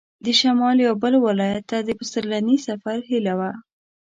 د شمال یوه بل ولایت ته د پسرلني سفر هیله وه.